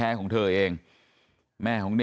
ไปรับศพของเนมมาตั้งบำเพ็ญกุศลที่วัดสิงคูยางอเภอโคกสำโรงนะครับ